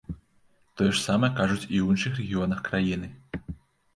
Тое ж самае кажуць і ў іншых рэгіёнах краіны.